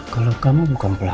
kalau kamu bukan pelanggan